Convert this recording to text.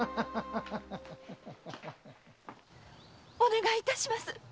お願いいたします！